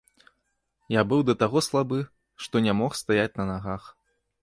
Я быў да таго слабы, што не мог стаяць на нагах.